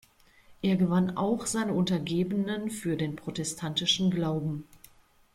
Er gewann auch seine Untergebenen für den protestantischen Glauben.